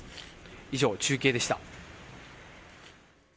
以上、中継でした。